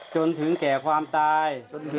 จนถึงแก่ความตาย